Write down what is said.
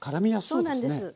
そうなんです。